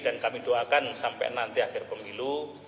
dan kami doakan sampai nanti akhir pemilu